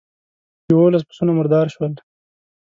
يوولس پسونه مردار شول.